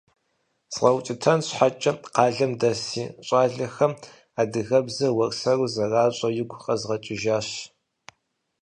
ЗгъэукӀытэн щхьэкӀэ къалэм дэс си щӀалэхэм адыгэбзэр уэрсэру зэращӀэр игу къэзгъэкӀыжащ.